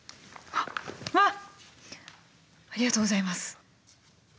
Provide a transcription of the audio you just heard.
ありがとうございます。